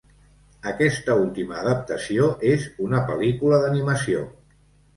Aquesta última adaptació és una pel·lícula d'animació.